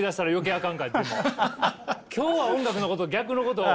今日は音楽のこと逆のことを。